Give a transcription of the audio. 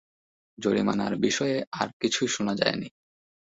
জরিমানার বিষয়ে আর কিছুই শোনা যায়নি।